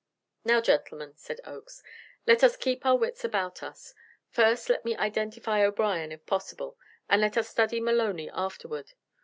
"Now, gentlemen," said Oakes, "let us keep our wits about us. First let me identify O'Brien, if possible, and let us study Maloney afterward.